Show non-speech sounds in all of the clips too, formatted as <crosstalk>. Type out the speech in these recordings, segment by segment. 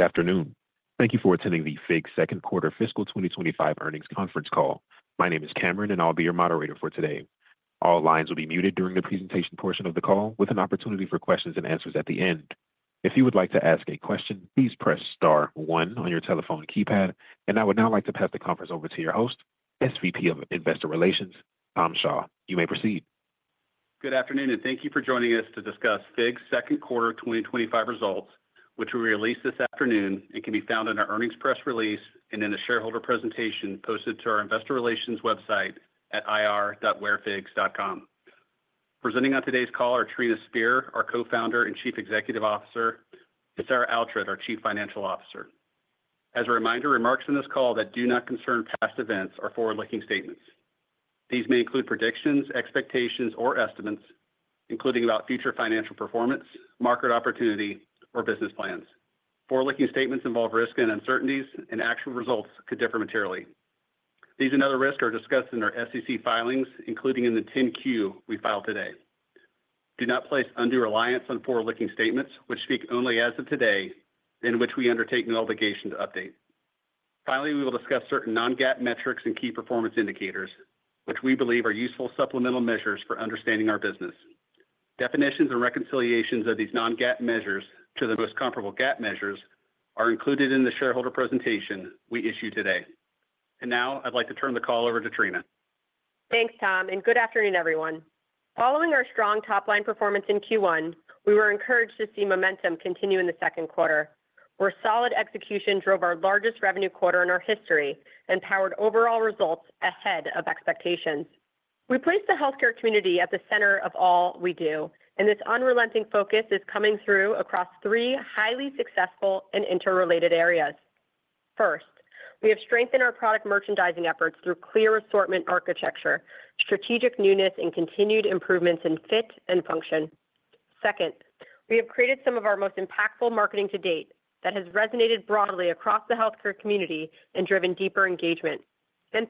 Good afternoon. Thank you for attending the FIGS Second Quarter Fiscal 2025 Earnings Conference Call. My name is Cameron and I'll be your moderator for today. All lines will be muted during the presentation portion of the call with an opportunity for questions and answers at the end. If you would like to ask a question, please press star one on your telephone keypad. I would now like to pass the conference over to your host, SVP of Investor Relations, Tom Shaw. You may proceed. Good afternoon and thank you for joining us to discuss FIGS' Second Quarter 2025 results, which we released this afternoon and can be found in our earnings press release and in a shareholder presentation posted to our investor relations website at ir.wherefigs.com. Presenting on today's call are Trina Spear, our Co-Founder and Chief Executive Officer, and Sarah Oughtred, our Chief Financial Officer. As a reminder, remarks in this call that do not concern past events are forward-looking statements. These may include predictions, expectations, or estimates, including about future financial performance, market opportunity, or business plans. Forward-looking statements involve risks and uncertainties and actual results could differ materially. These and other risks are discussed in our SEC filings, including in the 10-Q we filed today. Do not place undue reliance on forward-looking statements, which speak only as of today, and which we undertake no obligation to update. Finally, we will discuss certain non-GAAP metrics and key performance indicators which we believe are useful supplemental measures for understanding our business. Definitions and reconciliations of these non-GAAP measures to the most comparable GAAP measures are included in the shareholder presentation we issued today. Now I'd like to turn the call over to Trina. Thanks Tom and good afternoon everyone. Following our strong top line performance in Q1, we were encouraged to see momentum continue in the second quarter, where solid execution drove our largest revenue quarter in our history and powered overall results ahead of expectations. We place the healthcare community at the center of all we do, and this unrelenting focus is coming through across three highly successful and interrelated areas. First, we have strengthened our product merchandising efforts through clear assortment architecture, strategic newness, and continued improvements in fit and function. Second, we have created some of our most impactful marketing to date that has resonated broadly across the healthcare community and driven deeper engagement.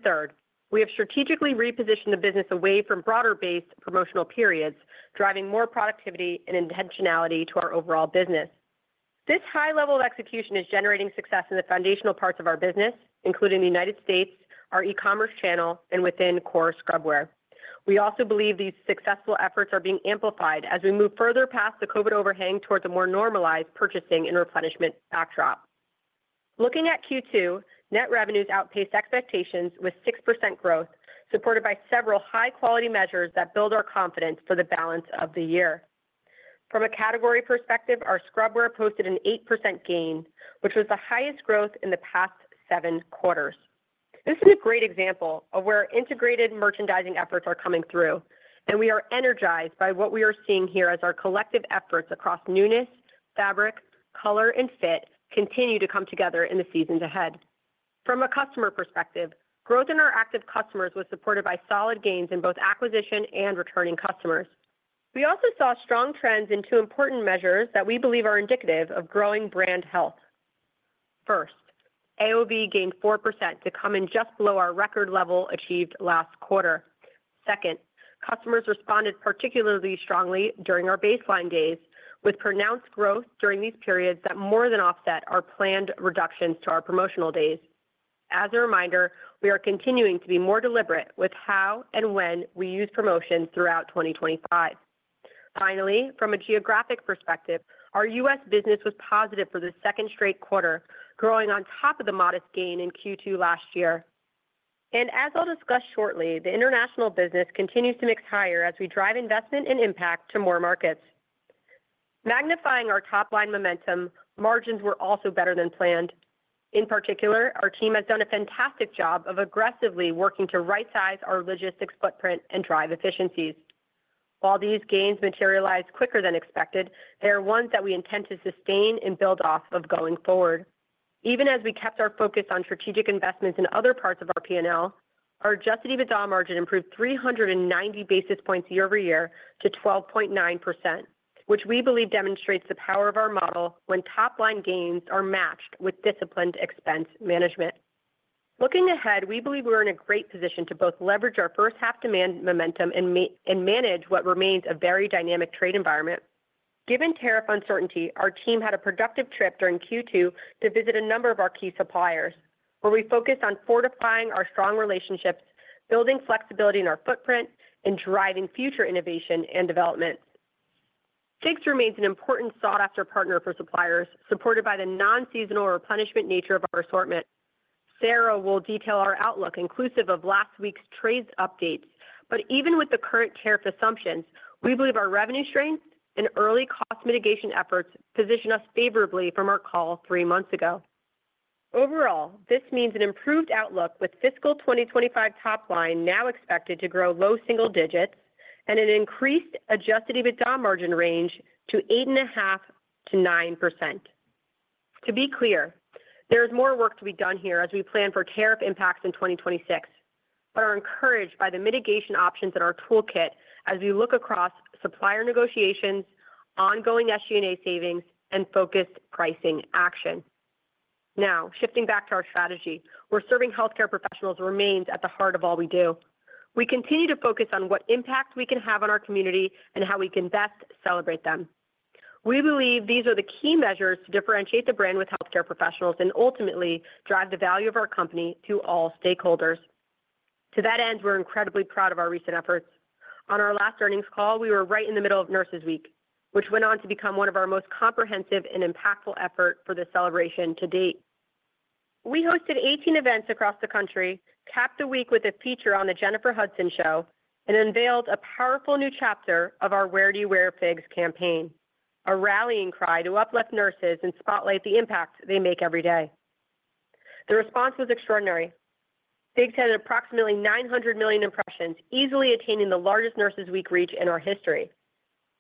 Third, we have strategically repositioned the business away from broader based promotional periods, driving more productivity and intentionality to our overall business. This high level of execution is generating success in the foundational parts of our business, including the United States, our e-commerce channel, and within core scrubwear. We also believe these successful efforts are being amplified as we move further past the COVID overhang towards a more normalized purchasing and replenishment backdrop. Looking at Q2, net revenues outpaced expectations with 6% growth, supported by several high quality measures that build our confidence for the balance of the year. From a category perspective, our scrubwear posted an 8% gain, which was the highest growth in the past seven quarters. This is a great example of where integrated merchandising efforts are coming through, and we are energized by what we are seeing here as our collective efforts across newness, fabric, color, and fit continue to come together in the seasons ahead. From a customer perspective, growth in our active customers was supported by solid gains in both acquisition and returning customers. We also saw strong trends in two important measures that we believe are indicative of growing brand health. First, AOV gained 4% to come in just below our record level achieved last quarter. Second, customers responded particularly strongly during our baseline days, with pronounced growth during these periods that more than offset our planned reductions to our promotional days. As a reminder, we are continuing to be more deliberate with how and when we use promotion throughout 2025. Finally, from a geographic perspective, our U.S. Business was positive for the second straight quarter, growing on top of the modest gain in Q2 last year. As I'll discuss shortly, the international business continues to mix higher as we drive investment and impact to more markets, magnifying our top line momentum. Margins were also better than planned. In particular, our team has done a fantastic job of aggressively working to right size our logistics footprint and drive efficiencies. While these gains materialized quicker than expected, they are ones that we intend to sustain and build off of going forward, even as we kept our focus on strategic investments in other parts of our P&L. Our adjusted EBITDA margin improved 390 basis points year-over-year to 12.9%, which we believe demonstrates the power of our model when top line gains are matched with disciplined expense management. Looking ahead, we believe we're in a great position to both leverage our first half demand momentum and manage what remains a very dynamic trade environment given tariff uncertainty. Our team had a productive trip during Q2 to visit a number of our key suppliers where we focused on fortifying our strong relationships, building flexibility in our footprint, and driving future innovation and development. FIGS remains an important, sought after partner for suppliers, supported by the non-seasonal replenishment nature of our assortment. Sarah will detail our outlook inclusive of last week's trade updates, but even with the current tariff assumptions, we believe our revenue strength and early cost mitigation efforts position us favorably from our call three months ago. Overall, this means an improved outlook with fiscal 2025 top line now expected to grow low single digit and an increased adjusted EBITDA margin range to 8.5% - 9%. To be clear, there is more work to be done here as we plan for tariff impacts in 2026, but are encouraged by the mitigation options in our toolkit as we look across supplier negotiations, ongoing SG&A savings, and focused pricing action. Now shifting back to our strategy, where serving healthcare professionals remains at the heart of all we do. We continue to focus on what impact we can have on our community and how we can best celebrate them. We believe these are the key measures to differentiate the brand with healthcare professionals and ultimately drive the value of our company to all stakeholders. To that end, we're incredibly proud of our recent efforts. On our last earnings call, we were right in the middle of Nurses Week, which went on to become one of our most comprehensive and impactful efforts for the celebration to date. We hosted 18 events across the country, capped the week with a feature on the Jennifer Hudson Show, and unveiled a powerful new chapter of our "Where Do You Wear FIGS?" campaign, a rallying cry to uplift nurses and spotlight the impact they make every day. The response was extraordinary. FIGS had approximately 900 million impressions, easily attaining the largest Nurses Week reach in our history.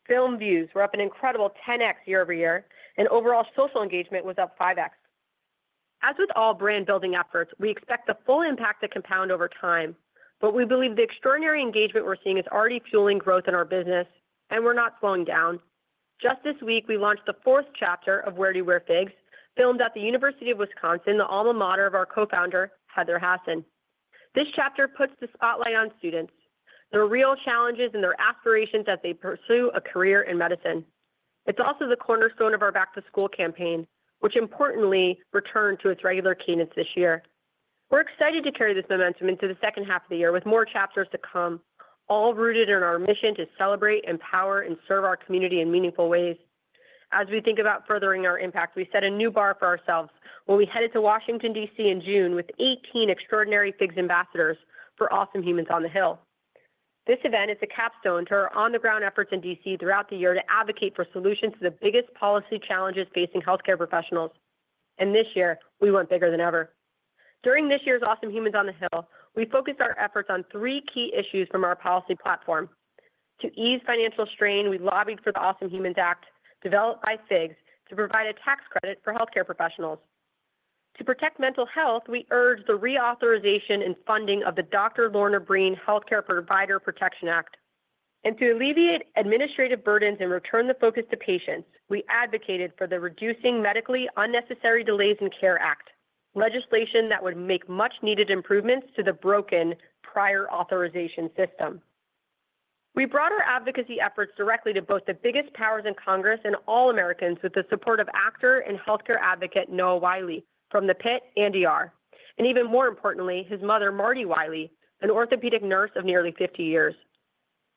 Film views were up an incredible 10x year-over-year and overall social engagement was up 5x. As with all brand building efforts, we expect the full impact to compound over time, but we believe the extraordinary engagement we're seeing is already fueling growth in our business and we're not slowing down. Just this week we launched the fourth chapter of "Where Do You Wear FIGS?" filmed at the University of Wisconsin, the alma mater of our Co-Founder Heather Hasson. This chapter puts the spotlight on students, their real challenges, and their aspirations as they pursue a career in medicine. It's also the cornerstone of our Back to School campaign, which importantly returned to its regular cadence this year. We're excited to carry this momentum into the second half of the year with more chapters to come, all rooted in our mission to celebrate, empower, and serve our community in meaningful ways. As we think about furthering our impact, we set a new bar for ourselves when we headed to Washington, D.C. in June with 18 extraordinary FIGS ambassadors for Awesome Humans on the Hill. This event is a capstone to our on-the-ground efforts in D.C. throughout the year to advocate for solutions to the biggest policy challenges facing healthcare professionals and this year we went bigger than ever. During this year's Awesome Humans on the Hill, we focused our efforts on three key issues from our policy platform. To ease financial strain, we lobbied for the Awesome Humans Act, developed by FIGS, to provide a tax credit for healthcare professionals. To protect mental health, we urge the reauthorization and funding of the Dr. Lorna Breen Healthcare Provider Protection Act. To alleviate administrative burdens and return the focus to patients, we advocated for the Reducing Medically Unnecessary Delays in Care Act, legislation that would make much needed improvements to the broken prior authorization system. We brought our advocacy efforts directly to both the biggest powers in Congress and all Americans with the support of actor and healthcare advocate Noah Wyle from "The Pit" and "ER" and even more importantly, his mother, Marty Wyle, who is an orthopedic nurse of nearly 50 years,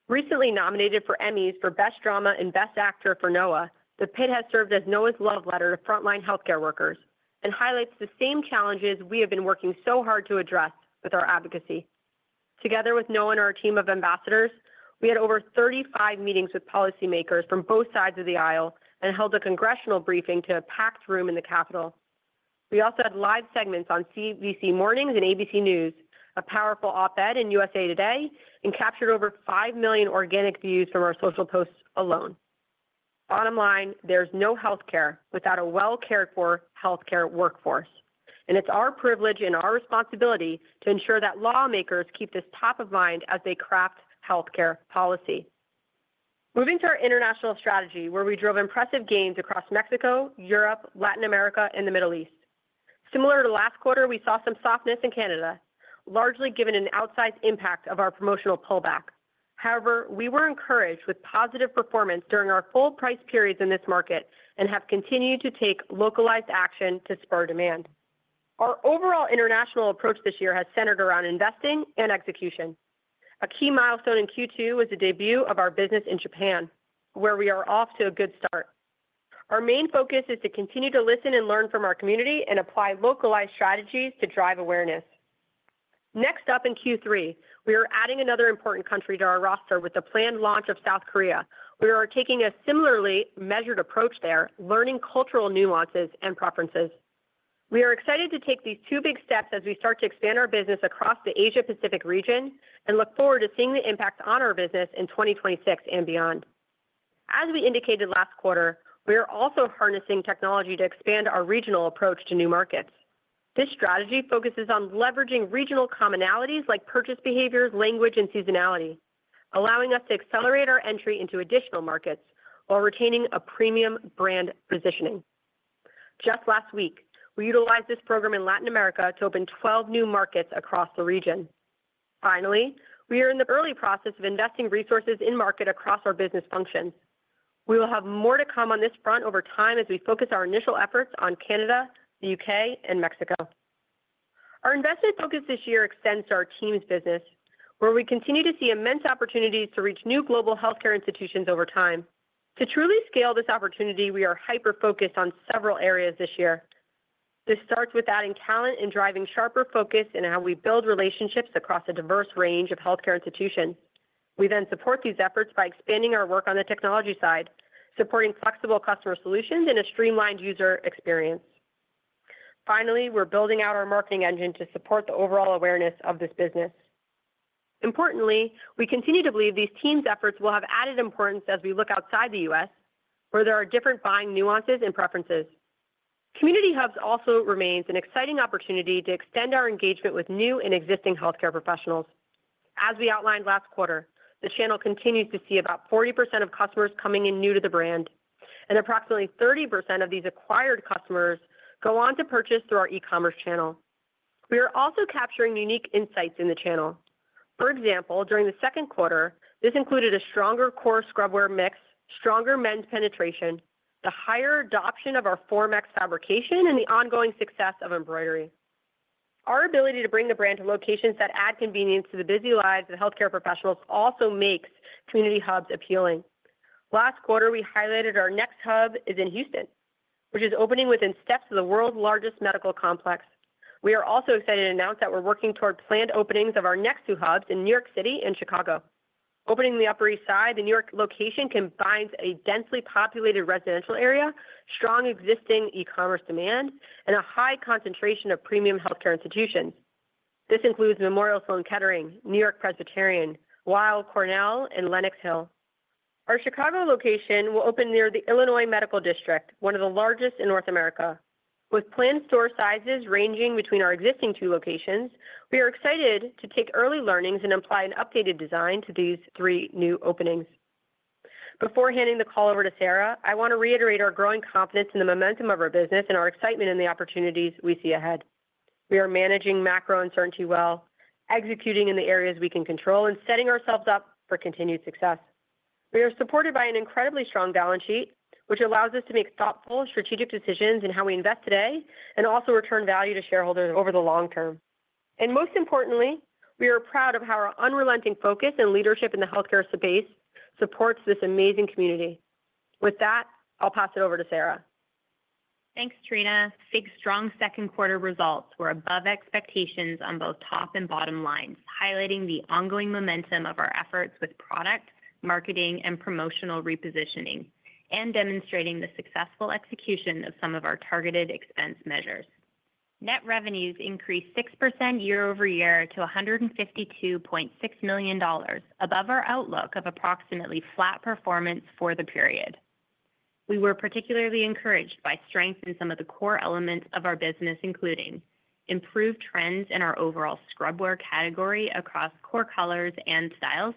recently nominated for Emmys for Best Drama and Best Actor for Noah. "The Pit" has served as Noah's love letter to frontline healthcare workers and highlights the same challenges we have been working so hard to address with our advocacy. Together with Noah and our team of ambassadors, we had over 35 meetings with policymakers from both sides of the aisle and held a Congressional briefing to a packed room in the Capitol. We also had live segments on CBC Mornings and ABC News, a powerful op-ed in USA Today, and captured over 5 million organic views from our social posts alone. Bottom line, there's no healthcare without a well cared for healthcare workforce and it's our privilege and our responsibility to ensure that lawmakers keep this top of mind as they craft healthcare policy. Moving to our international strategy where we drove impressive gains across Mexico, Europe, Latin America, and the Middle East. Similar to last quarter, we saw some softness in Canada, largely given an outsized impact of our promotional pullback. However, we were encouraged with positive performance during our full price periods in this market and have continued to take localized action to spur demand. Our overall international approach this year has centered around investing and execution. A key milestone in Q2 was the debut of our business in Japan, where we are off to a good start. Our main focus is to continue to listen and learn from our community and apply localized strategies to drive awareness. Next up in Q3, we are adding another important country to our roster with the planned launch of South Korea. We are taking a similarly measured approach there, learning cultural nuances and preferences. We are excited to take these two big steps as we start to expand our business across the Asia Pacific region and look forward to seeing the impact on our business in 2026 and beyond. As we indicated last quarter, we are also harnessing technology to expand our regional approach to new markets. This strategy focuses on leveraging regional commonalities like purchase behaviors, language, and seasonality, allowing us to accelerate our entry into additional markets while retaining a premium brand positioning. Just last week we utilized this program in Latin America to open 12 new markets across the region. Finally, we are in the early process of investing resources in markets across our business function. We will have more to come on this front over time as we focus our initial efforts on Canada, the UK, and Mexico. Our investment focus this year extends to our TEAMS business where we continue to see immense opportunities to reach new global healthcare institutions over time. To truly scale this opportunity, we are hyper focused on several areas this year. This starts with adding talent and driving sharper focus in how we build relationships across a diverse range of healthcare institutions. We then support these efforts by expanding our work on the technology side, supporting flexible customer solutions and a streamlined user experience. Finally, we're building out our marketing engine to support the overall awareness of this business. Importantly, we continue to believe these TEAMS efforts will have added importance as we look outside the U.S. where there are different buying nuances and preferences. Community hubs also remain an exciting opportunity to extend our engagement with new and existing healthcare professionals. As we outlined last quarter, the channel continues to see about 40% of customers coming in new to the brand and approximately 30% of these acquired customers go on to purchase through our e-commerce channel. We are also capturing unique insights in the channel. For example, during the second quarter this included a stronger core scrubwear mix, stronger men's penetration, the higher adoption of our FIONx fabrication, and the ongoing success of embroidery. Our ability to bring the brand to locations that add convenience to the busy lives of healthcare professionals also makes community hubs appealing. Last quarter we highlighted our next hub is in Houston, which is opening within steps of the world's largest medical complex. We are also excited to announce that we're working toward planned openings of our next two hubs in New York City and Chicago. Opening the Upper East Side, the New York location combines a densely populated residential area, strong existing e-commerce demand, and a high concentration of premium healthcare institutions. This includes Memorial Sloan Kettering, New York Presbyterian, Weill Cornell, and Lenox Hill. Our Chicago location will open near the Illinois Medical District, one of the largest in North America, with planned store sizes ranging between our existing two locations. We are excited to take early learnings and apply an updated design to these three new open. Before handing the call over to Sarah, I want to reiterate our growing confidence in the momentum of our business and our excitement in the opportunities we see ahead. We are managing macro uncertainty well, executing in the areas we can control, and setting ourselves up for continued success. We are supported by an incredibly strong balance sheet, which allows us to make thoughtful strategic decisions in how we invest today and also return value to shareholders over the long term. Most importantly, we are proud of how our unrelenting focus and leadership in the healthcare space supports this amazing community. With that, I'll pass it over to Sarah. Thanks Trina. FIGS' strong second quarter results were above expectations on both top and bottom lines, highlighting the ongoing momentum of our efforts with product marketing and promotional repositioning and demonstrating the successful execution of some of our targeted expense measures. Net revenues increased 6% year-over-year to $152.6 million, above our outlook of approximately flat performance for the period. We were particularly encouraged by strength in some of the core elements of our business, including improved trends in our overall scrubwear category across core colors and styles,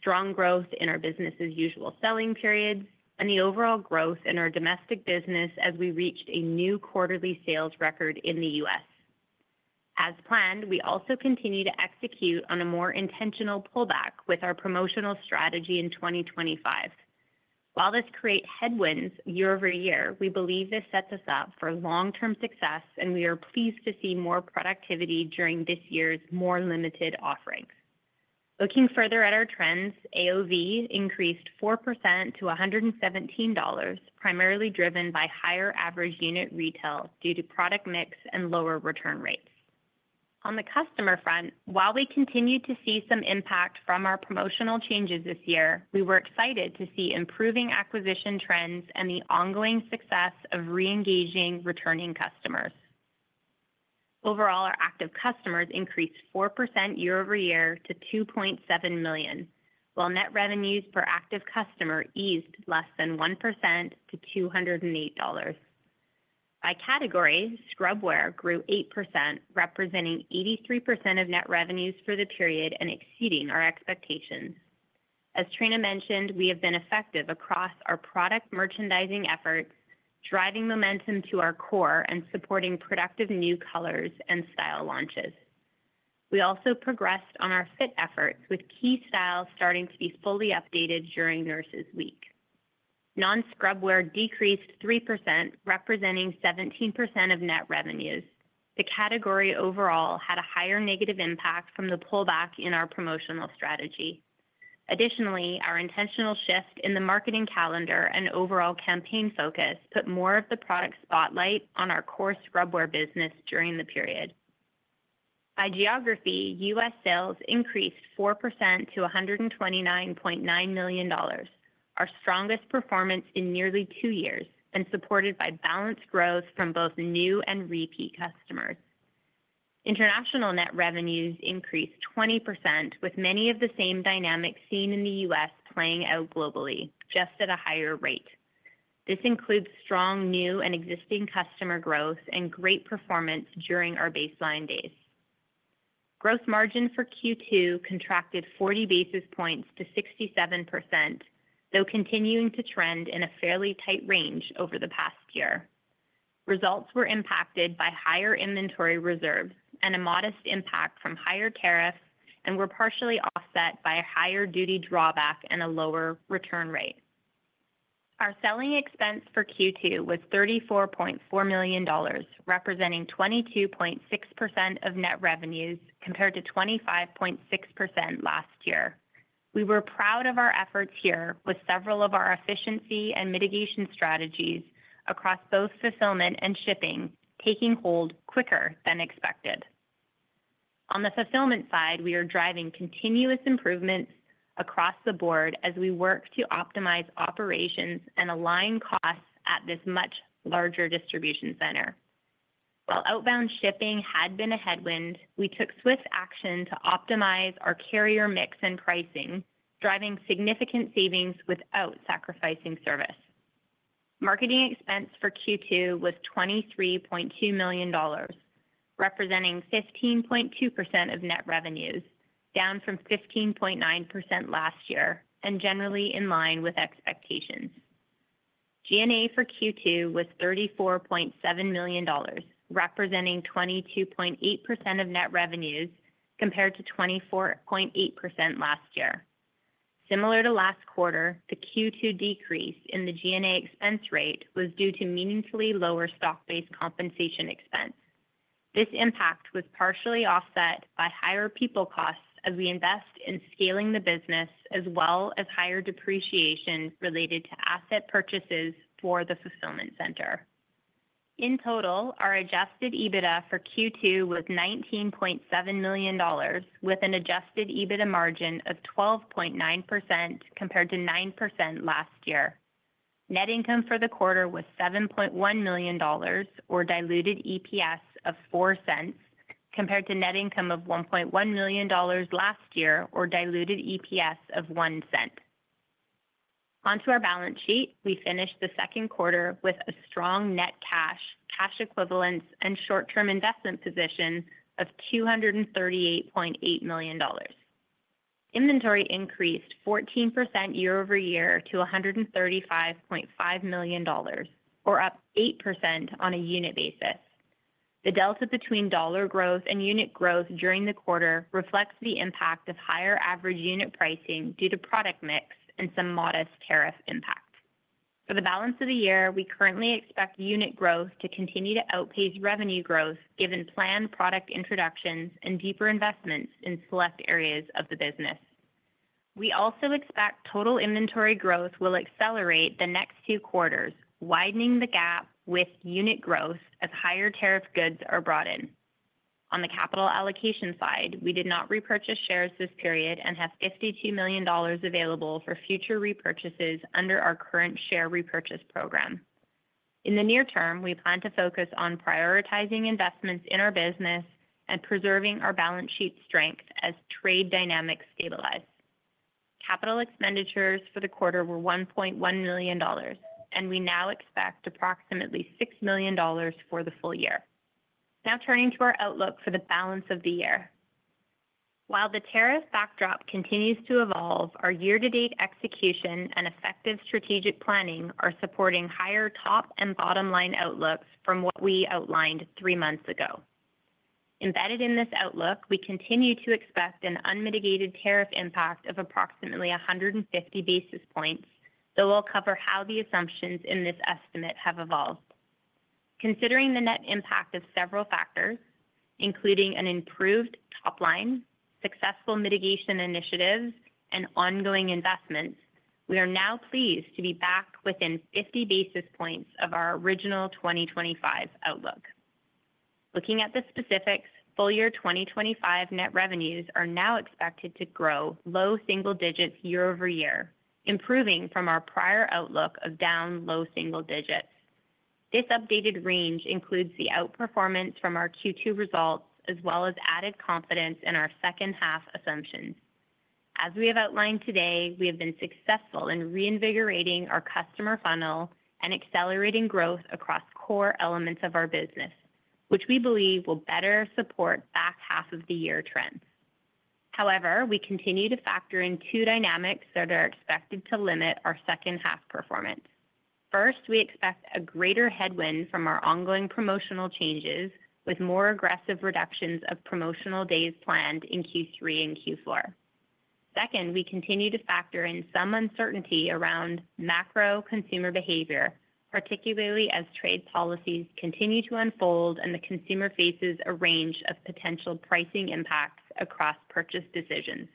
strong growth in our business as usual selling periods, and the overall growth in our domestic business as we reached a new quarterly sales record in the U.S. as planned. We also continue to execute on a more intentional pullback with our promotional strategy in 2024. While this creates headwinds year-over-year, we believe this sets us up for long term success, and we are pleased to see more productivity during this year's more limited offerings. Looking further at our trends, AOV increased 4% to $117, primarily driven by higher average unit retail due to product mix and lower return rates on the customer front. While we continue to see some impact from our promotional changes this year, we were excited to see improving acquisition trends and the ongoing success of re-engaging returning customers. Overall, our active customers increased 4% year-over-year to 2.7 million, while net revenues per active customer eased less than 1% to $208. By category, scrubwear grew 8%, representing 83% of net revenues for the period and exceeding our expectations. As Trina mentioned, we have been effective across our product merchandising efforts, driving momentum to our core and supporting productive new colors and style launches. We also progressed on our fit efforts with key styles starting to be fully updated during Nurses Week. Non-scrubwear decreased 3%, representing 17% of net revenues. The category overall had a higher negative impact from the pullback in our promotional strategy. Additionally, our intentional shift in the marketing calendar and overall campaign focus put more of the product spotlight on our core scrubwear business during the period. By geography, U.S. sales increased 4% to $129.9 million, our strongest performance in nearly two years and supported by balanced growth from both new and repeat customers. International net revenues increased 20%, with many of the same dynamics seen in the U.S. playing out globally just at a higher rate. This includes strong new and existing customer growth and great performance. During our baseline days, gross margin for Q2 contracted 40 basis points to 67%, though continuing to trend in a fairly tight range over the past year. Results were impacted by higher inventory reserves and a modest impact from higher tariffs and were partially offset by a higher duty drawback and a lower return rate. Our selling expense for Q2 was $34.4 million, representing 22.6% of net revenues compared to 25.6% last year. We were proud of our efforts here, with several of our efficiency and mitigation strategies across both fulfillment and shipping taking hold quicker than expected. On the fulfillment side, we are driving continuous improvements across the board as we work to optimize operations and align costs at this much larger distribution center. While outbound shipping had been a headwind, we took swift action to optimize our carrier mix and pricing, driving significant savings without sacrificing service. Marketing expense for Q2 was $23.2 million, representing 15.2% of net revenues, down from 15.9% last year and generally in line with expectations. G&A for Q2 was $34.7 million, representing 22.8% of net revenues compared to 24.8% last year. Similar to last quarter, the Q2 decrease in the G&A expense rate was due to meaningfully lower stock-based compensation expense. This impact was partially offset by higher people costs as we invest in scaling the business as well as higher depreciation related to asset purchases for the fulfillment center. In total, our adjusted EBITDA for Q2 was $19.7 million with an adjusted EBITDA margin of 12.9% compared to 9% last year. Net income for the quarter was $7.1 million or diluted EPS of $0.04 compared to net income of $1.1 million last year or diluted EPS of $0.01. Onto our balance sheet, we finished the second quarter with a strong net cash, cash equivalents, and short-term investment position of $238.8 million. Inventory increased 14% year-over-year to $135.5 million or up 8% on a unit basis. The delta between dollar growth and unit growth during the quarter reflects the impact of higher average unit pricing due to product mix and some modest tariff impact for the balance of the year. We currently expect unit growth to continue to outpace revenue growth due to planned product introductions and deeper investments in select areas of the business. We also expect total inventory growth will accelerate the next two quarters, widening the gap with unit growth as higher tariff goods are brought in. On the capital allocation side, we did not repurchase shares this period and have $52 million available for future repurchases under our current share repurchase program. In the near term, we plan to focus on prioritizing investments in our business and preserving our balance sheet strength as trade dynamics stabilize. Capital expenditures for the quarter were $1.1 million and we now expect approximately $6 million for the full year. Now turning to our outlook for the balance of the year, while the tariff backdrop continues to evolve, our year-to-date execution and effective strategic planning are supporting higher top and bottom line outlook from what we outlined three months ago. Embedded in this outlook, we continue to expect an unmitigated tariff impact of approximately 150 basis points, so we'll cover how the assumptions in this estimate have evolved considering the net impact of several factors including an improved top line, successful mitigation initiatives, and ongoing investments. We are now pleased to be back within 50 basis points of our original 2025 outlook. Looking at the specifics, full year 2025 net revenues are now expected to grow low single digits year-over-year, improving from our prior outlook of down low single digits. This updated range includes the outperformance from our Q2 results as well as added confidence in our second half assumptions. As we have outlined today, we have been successful in reinvigorating our customer funnel and accelerating growth across core elements of our business, which we believe will better support back half of the year trends. However, we continue to factor in two dynamics that are expected to limit our second half performance. First, we expect a greater headwind from our ongoing promotional changes with more aggressive reductions of promotional days planned in Q3 and Q4. Second, we continue to factor in some uncertainty around macro consumer behavior, particularly as trade policies continue to unfold and the consumer faces a range of potential pricing impacts across purchase decisions.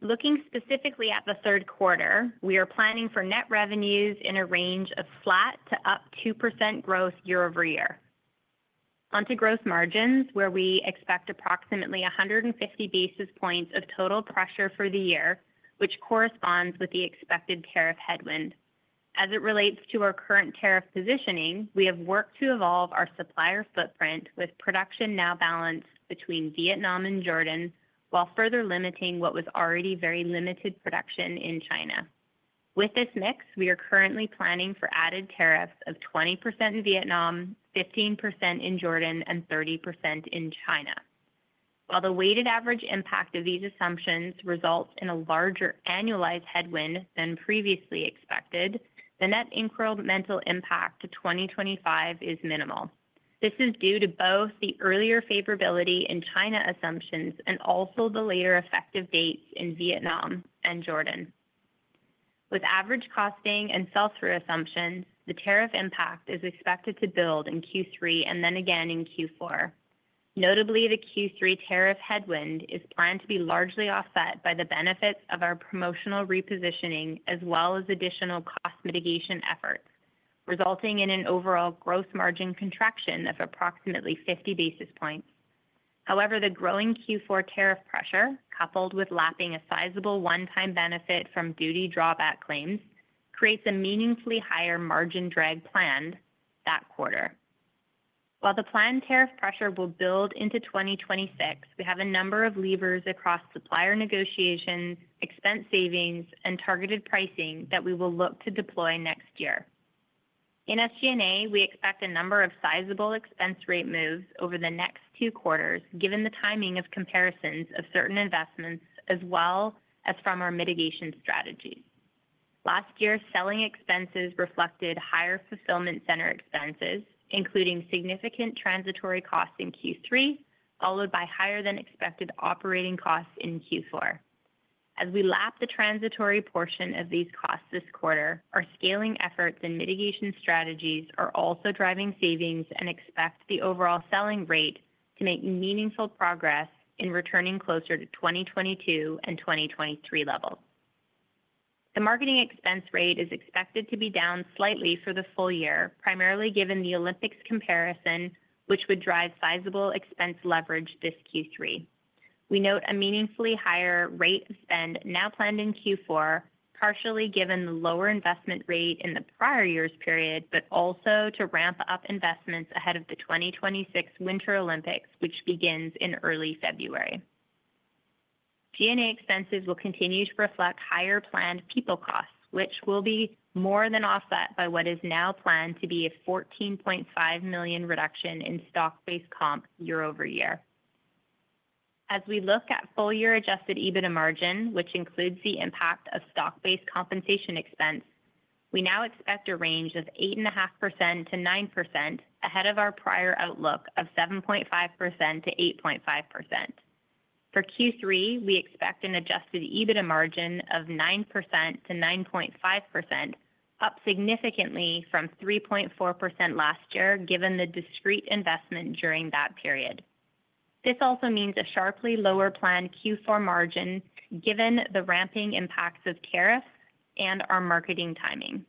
Looking specifically at the third quarter, we are planning for net revenues in a range of flat to up 2% growth year-over-year. Onto gross margins, we expect approximately 150 basis points of total pressure for the year, which corresponds with the expected tariff headwind. As it relates to our current tariff positioning, we have worked to evolve our supplier footprint with production now balanced between Vietnam and Jordan while further limiting what was already very limited production in China. With this mix, we are currently planning for added tariffs of 20% in Vietnam, 15% in Jordan, and 30% in China. While the weighted average impact of these assumptions results in a larger annualized headwind than previously expected, the net incremental impact to 2025 is minimal. This is due to both the earlier favorability in China assumptions and also the later effective dates in Vietnam and Jordan. With average costing and sell through assumptions, the tariff impact is expected to build in Q3 and then again in Q4. Notably, the Q3 tariff headwind is planned to be largely offset by the benefits of our promotional repositioning as well as additional cost mitigation efforts, resulting in an overall gross margin contraction of approximately 50 basis points. However, the growing Q4 tariff pressure coupled with lapping a sizable one-time benefit from duty drawback claims creates a meaningfully higher margin drag planned that quarter. While the planned tariff pressure will build into 2026, we have a number of levers across supplier negotiations, expense savings, and targeted pricing that we will look to deploy next year. In SG&A, we expect a number of sizable expense rate moves over the next two quarters given the timing of comparisons of certain investments as well as from our mitigation strategies. Last year, selling expenses reflected higher fulfillment center expenses including significant transitory costs in Q3, followed by higher than expected operating costs in Q4. As we lap the transitory portion of these costs this quarter, our scaling efforts and mitigation strategies are also driving savings and expect the overall selling rate to make meaningful progress in returning closer to 2022 and 2023 levels. The marketing expense rate is expected to be down slightly for the full year, primarily given the Olympics comparison which would drive sizable expense leverage this Q3. We note a meaningfully higher rate spend now planned in Q4, partially given the lower investment rate in the prior year's period, but also to ramp up investments ahead of the 2026 Winter Olympics which begins in early February. G&A expenses will continue to reflect higher planned people costs, which will be more than offset by what is now planned to be a $14.5 million reduction in stock-based comp year-over-year. As we look at full year adjusted EBITDA margin, which includes the impact of stock-based compensation expense, we now expect a range of 8.5% - 9%, ahead of our prior outlook of 7.5% - 8.5%. For Q3, we expect an adjusted EBITDA margin of 9% - 9.5%, up significantly from 3.4% last year given the discrete investment during that period. This also means a sharply lower planned Q4 margin given the ramping impacts of tariffs and our marketing timing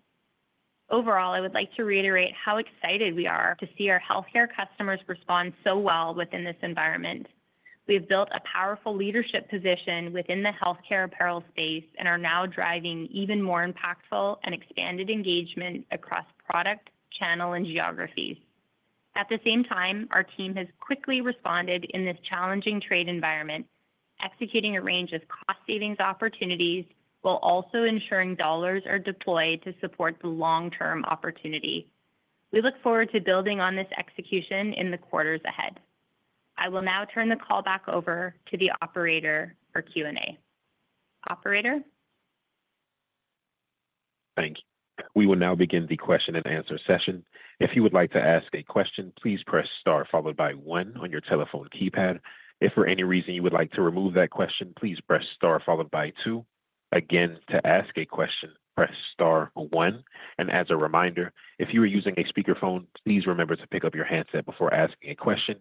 overall. I would like to reiterate how excited we are to see our healthcare customers respond so well within this environment. We have built a powerful leadership position within the healthcare apparel space and are now driving even more impactful and expanded engagement across product, channel, and geographies. At the same time, our team has quickly responded in this challenging trade environment, executing a range of cost savings opportunities while also ensuring dollars are deployed to support the long-term opportunity. We look forward to building on this execution in the quarters ahead. I will now turn the call back over to the operator for Q&A. Thank you. We will now begin the question and answer session. If you would like to ask a question, please press star followed by one on your telephone keypad. If for any reason you would like to remove that question, please press star followed by two. Again, to ask a question, press star one. As a reminder, if you are using a speakerphone, please remember to pick up your handset before asking a question.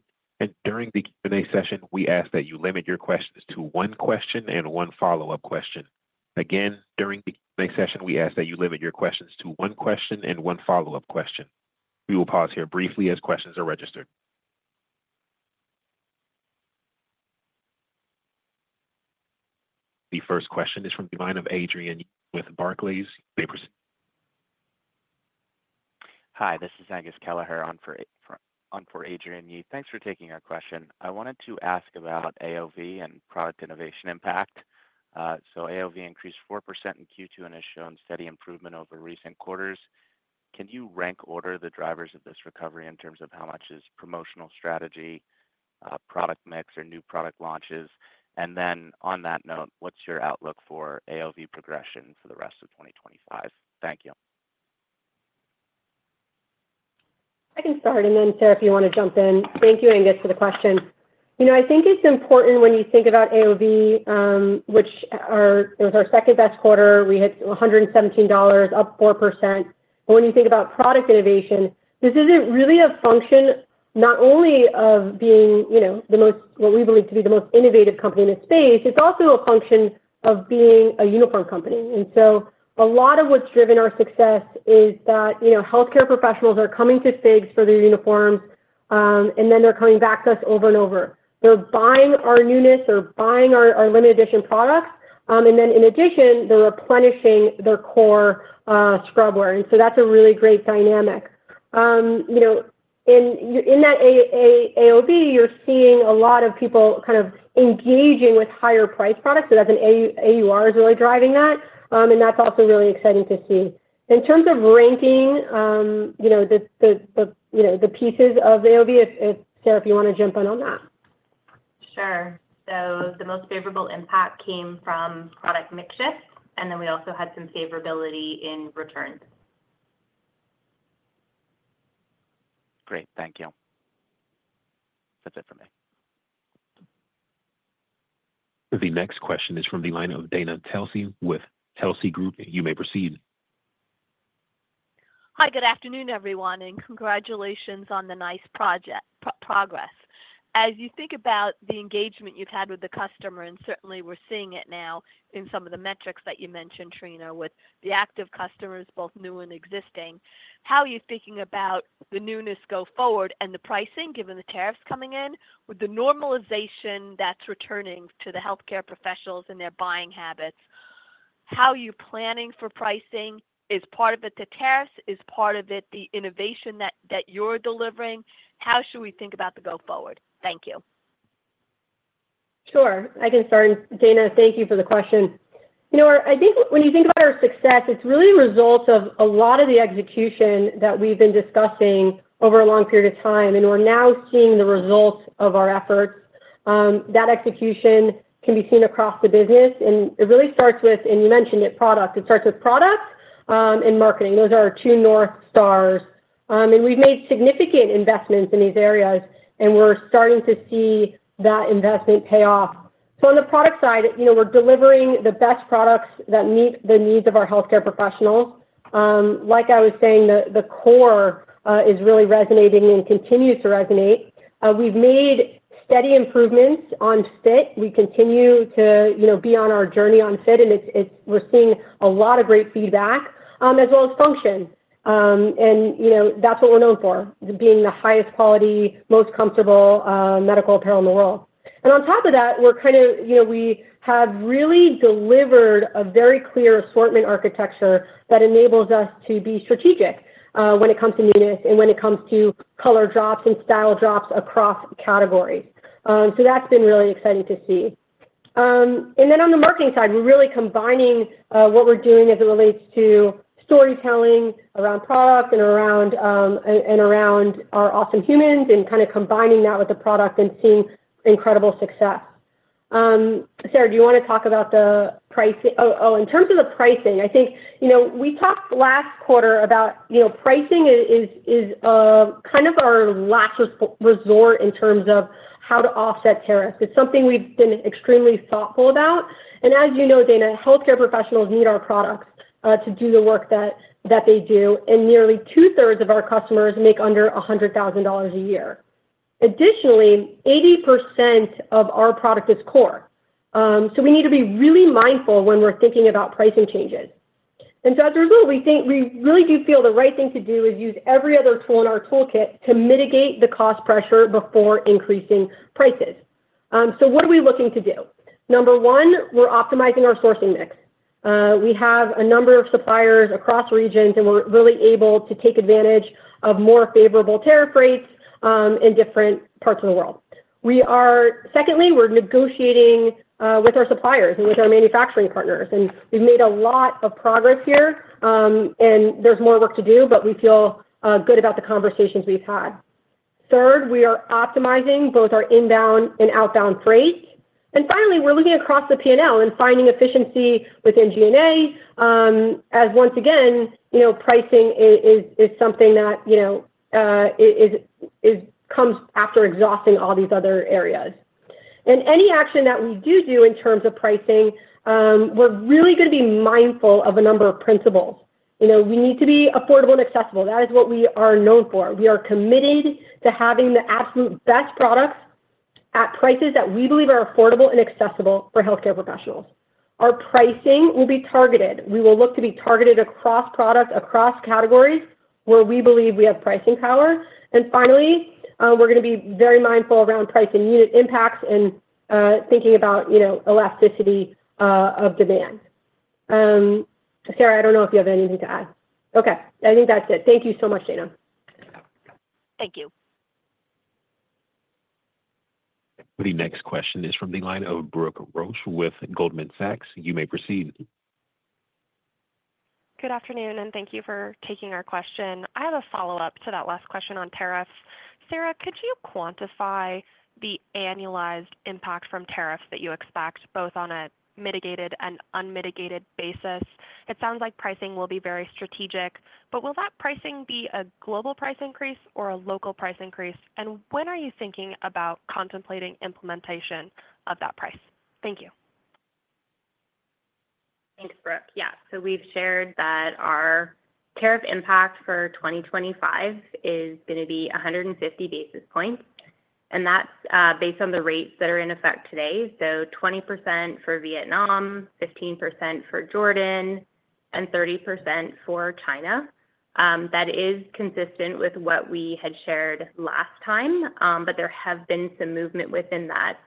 During the Q&A session we ask that you limit your questions to one question and one follow up question. Again, during the Q&A session we ask that you limit your questions to one question and one follow up question. We will pause here briefly as questions are registered. The first question is from the line of Adrienne Yih with Barclays. Hi, this is Angus Kelleher-Ferguson on for Adrienne Yih. Thanks for taking our question. I wanted to ask about AOV and product innovation impact. AOV increased 4% in Q2 and has shown steady improvement over recent quarters. Can you rank order the drivers of this recovery in terms of how much is promotional strategy, product mix, or new product launches? On that note, what's your outlook for AOV progression for the rest of 2025? Thank you. I can start and then Sarah if you want to jump in. Thank you, Angus, for the question. I think it's important when you think about AOV, which was our second best quarter. We had $117, up 4%. When you think about product innovation, this isn't really a function not only of being, you know, what we believe to be the most innovative company in the space. It's also a function of being a uniform company. A lot of what's driven our success is that health care professionals are coming to FIGS for their uniform and then they're coming back to us over and over, they're buying our newness, they're buying our limited edition products, and in addition, they're replenishing their core scrubwear. That's a really great dynamic. In that AOV, you're seeing a lot of people kind of engaging with higher price products, so that's an AUR that's really driving that. That's also really exciting to see. In terms of ranking the pieces of AOV, if Sarah, if you want to jump in on that. The most favorable impact came from product mix shift, and we also had some favorability in returns. Great, thank you. That's it for me. The next question is from the line of Dana Telsey with Telsey Group. You may proceed. Hi, good afternoon everyone. Congratulations on the nice progress as you think about the engagement you've had with the customer. We are certainly seeing it now. Some of the metrics that you mentioned. Trina, with the active customers, both new and existing, how are you thinking about the newness go forward and the pricing? Given the tariffs coming in with the normalization that's returning to the healthcare professionals and their buying habits, how are you planning for pricing as part of it? The tariffs is part of it. The innovation that you're delivering, how should we think about the go forward? Thank you. Sure. I can start. Dana, thank you for the question. I think when you think about our success, it's really a result of a lot of the execution that we've been discussing over a long period of time and we're now seeing the results of our efforts. That execution can be seen across the business and it really starts with, and you mentioned it, product. It starts with product and marketing. Those are our two north stars. We've made significant investments in these areas and we're starting to see that investment pay off. On the product side, we're delivering the best products that meet the needs of our healthcare professional. Like I was saying, the core is really resonating and continues to resonate. We've made steady improvements on fit. We continue to be on our journey on fit. We're seeing a lot of great feedback as well as function. That's what we're known for, being the highest quality, most comfortable medical apparel in the world. On top of that, we have really delivered a very clear assortment architecture that enables us to be strategic when it comes to newness and when it comes to color drops and style drops across categories. That's been really exciting to see. On the marketing side, we're really combining what we're doing as it relates to storytelling around product and around our awesome humans and combining that with the product and seeing incredible success. Sarah, do you want to talk about the pricing? Oh, in terms of the pricing, I think we talked last quarter about pricing is kind of our last resort in terms of how to offset tariff. It's something we've been extremely thoughtful about. As you know, Dana, healthcare professionals need our product to do the work that they do. Nearly 2/3 of our customers make under $100,000 a year. Additionally, 80% of our product is core. We need to be really mindful when we're thinking about pricing changes. As a result, we think we really do feel the right thing to do is use every other tool in our toolkit to mitigate the cost pressure before increasing prices. What are we looking to do? Number one, we're optimizing our sourcing mix. We have a number of suppliers across regions and we're really able to take advantage of more favorable tariff rates in different parts of the world. We are. Secondly, we're negotiating with our suppliers and with our manufacturing partners, and we've made a lot of progress here and there's more work to do, but we feel good about the conversations we've had. Third, we are optimizing both our inbound and outbound freight. Finally, we're looking across the P&L and finding efficiency within G&A, as once again, you know, pricing is something that, you know, comes after exhausting all these other areas. Any action that we do in terms of pricing, we're really going to be mindful of a number of principles. We need to be affordable and accessible. That is what we are known for. We are committed to having the absolute best products at prices that we believe are affordable and accessible for healthcare professionals. Our pricing will be targeted. We will look to be targeted across products, across categories where we believe we have pricing power. Finally, we're going to be very mindful around price and unit impacts and thinking about, you know, elasticity of demand. Sarah, I don't know if you have anything to add. Okay, I think that's it. Thank you so much, Dana. Thank you. The next question is from the line of Brooke Roach with Goldman Sachs. You may proceed. Good afternoon and thank you for taking our question. I have a follow up to that last question on tariffs. Sarah, could you quantify the annualized impact? From tariffs that you expect both on a mitigated and unmitigated basis? It sounds like pricing will be very strategic, but will that pricing be a global price increase or a local price increase? When are you thinking about contemplating implementation of that price? Thank you. Thanks, Brooke. Yeah, we've shared that our tariff impact for 2025 is going to be 150 basis points, and that's based on the rates that are in effect today: 20% for Vietnam, 15% for Jordan, and 30% for China. That is consistent with what we had shared last time. There have been some movement within that.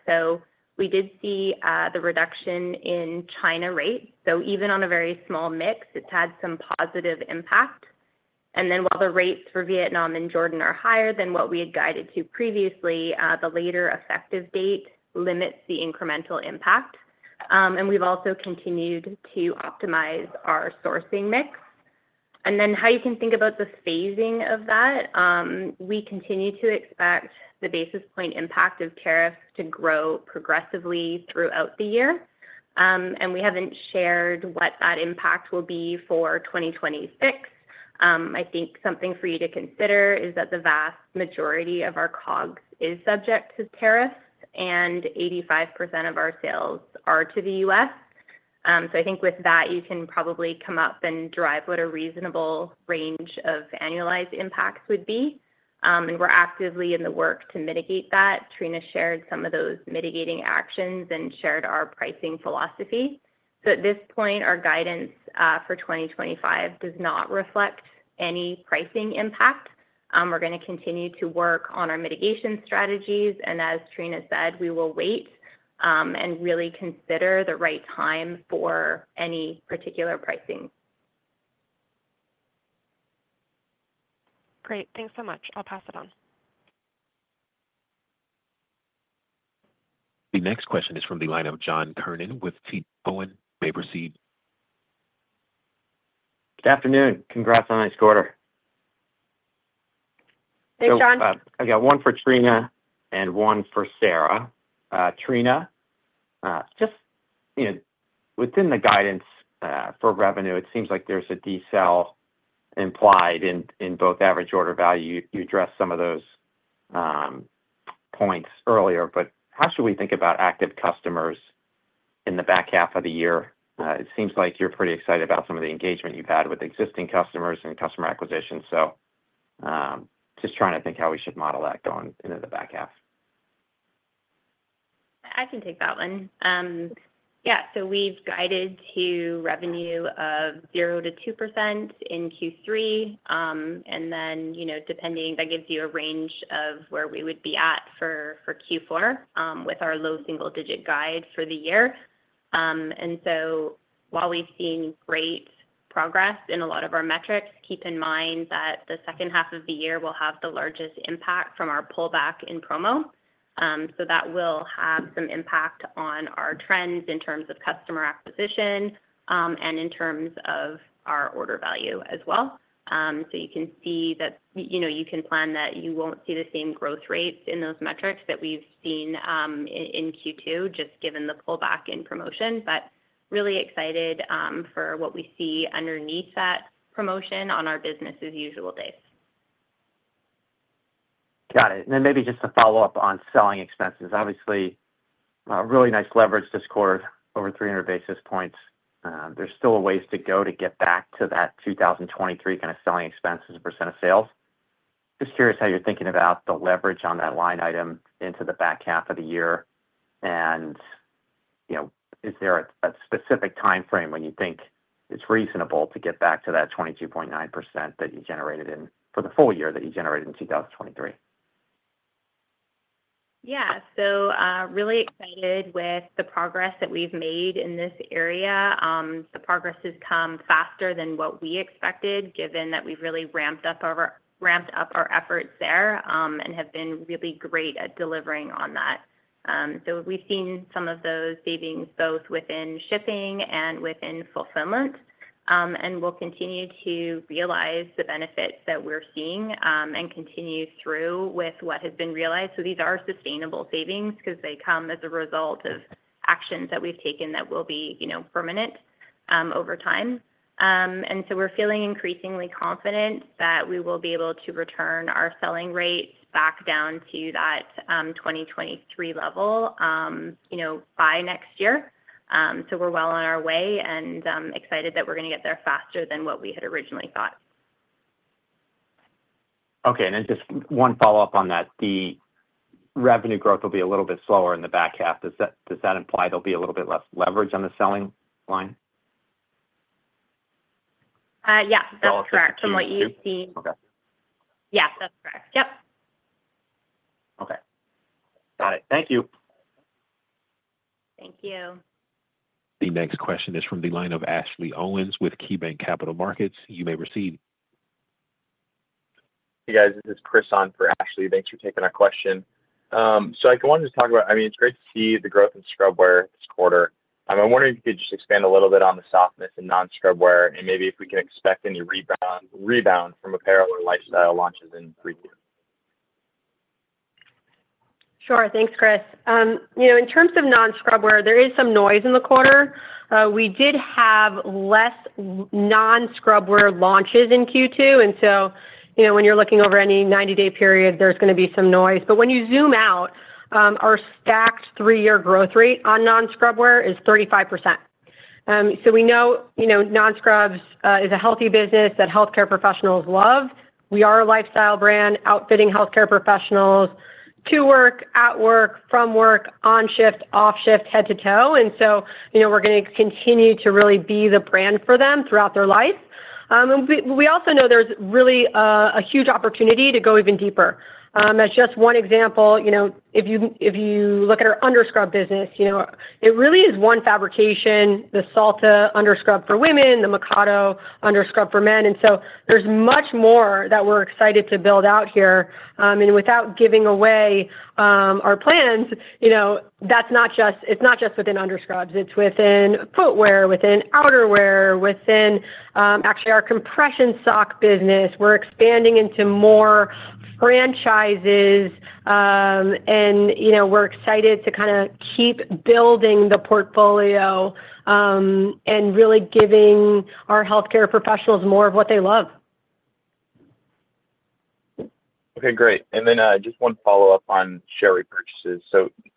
We did see the reduction in the China rate, so even on a very small mix, it's had some positive impact. While the rates for Vietnam and Jordan are higher than what we had guided to previously, the later effective date limits the incremental impact. We've also continued to optimize our sourcing mix and then how you can think about the phasing of that. We continue to expect the basis point impact of tariffs to grow progressively throughout the year, and we haven't shared what that impact will be for 2026. I think something for you to consider is that the vast majority of our COGS is subject to tariffs and 85% of our sales are to the U.S., so I think with that, you can probably come up and drive what a reasonable range of annualized impacts would be. We're actively in the work to mitigate that. Trina shared some of those mitigating actions and shared our pricing philosophy. At this point, our guidance for 2025 does not reflect any pricing impact. We're going to continue to work on our mitigation strategies and as Trina said, we will wait and really consider the right time for any particular pricing. Great. Thanks so much. I'll pass it. The next question is from the line of John Kernan at TD Cowen. Good afternoon. Congrats on next quarter. <crosstalk> I got one for Trina and one for Sarah. Trina, just within the guidance for revenue, it seems like there's a decel implied in both average order value. You addressed some of those points earlier, but how should we think about active customers in the back half of the year? It seems like you're pretty excited about some of the engagement you've had with existing customers and customer acquisitions. Just trying to think how we should model that going into the back half? I can take that one. Yeah. We have guided to revenue of 0% - 2% in Q3. Depending on that, it gives you a range of where we would be at for Q4 with our low single digit guide for the year. While we've seen great progress in a lot of our metrics, keep in mind that the second half of the year will have the largest impact from our pullback in promo. That will have some impact on our trends in terms of customer acquisition and in terms of our order value as well. You can see that you can plan that you won't see the same growth rate in those metrics that we've seen in Q2 just given the pullback in promotion, but really excited for what we see underneath that promotion on our business as usual day. Got it. Maybe just to follow up on selling expenses, obviously really nice leverage this quarter over 300 basis points. There's still a ways to go to get back to that 2023 kind of selling expense as a percent of sales. Just curious how you're thinking about the leverage on that line item into the back half of the year. Is there a specific time frame when you think it's reasonable to get back to that 22.9% that you generated for the full year that you generated in 2023? Really excited with the progress that we've made in this area. The progress has come faster than what we expected given that we've really ramped up our efforts there and have been really great at delivering on that. We've seen some of those savings both within shipping and within fulfillment. We'll continue to realize the benefits that we're seeing and continue through with what has been realized. These are sustainable savings because they come as a result of actions that we've taken that will be permanent over time. We're feeling increasingly confident that we will be able to return our selling rate back down to that 2023 level by next year. We're well on our way and excited that we're going to get there faster than what we had originally thought. Okay, just one follow up on that. The revenue growth will be a little bit slower in the back half. Does that imply there'll be a little bit less leverage on the selling line? Yeah, that's correct. From what you've seen? Yes, that's correct. Yep. Okay, got it. Thank you. Thank you. The next question is from the line of Ashley Owens with KeyBanc Capital Markets. You may receive. Hey guys, this is Chris on for Ashley. Thanks for taking that question. I wanted to talk about, I mean, it's great to see the growth in scrubwear this quarter. I'm wondering if you could just expand a little bit on the softness in non-scrubwear and maybe if we can expect any rebound from apparel or lifestyle launches in preview? Sure. Thanks, Chris. In terms of non-scrubwear, there is some noise in the quarter. We did have less non-scrubwear launches in Q2, and when you're looking over any 90-day period, there's going to be some noise. When you zoom out, our stacked three-year growth rate on non-scrubwear is 35%. We know non-scrubs is a healthy business that healthcare professionals love. We are a lifestyle brand outfitting healthcare professionals to work at work, from work, on shift, off shift, head to toe. We're going to continue to really be the brand for them throughout their life. We also know there's really a huge opportunity to go even deeper. As just one example, if you look at our underscrub business, it really is one fabrication: the Salta underscrub for women, the Mikado underscrub for men. There's much more that we're excited to build out here. Without giving away our plans, it's not just within underscrubs, it's within footwear, within outerwear, within actually our compression sock business. We're expanding into more franchises, and we're excited to keep building the portfolio and really giving our healthcare professionals more of what they love. Okay, great. Just one follow up on share repurchases.